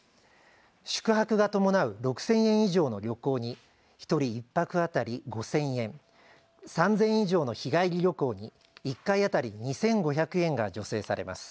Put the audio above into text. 宿泊が伴う６０００円以上の旅行に１人１泊当たり５０００円、３０００円以上の日帰り旅行に１回当たり２５００円が助成されます。